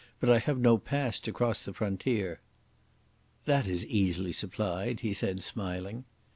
But I have no pass to cross the frontier." "That is easily supplied," he said, smiling.